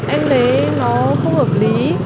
em thấy nó không hợp lý